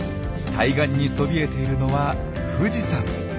対岸にそびえているのは富士山。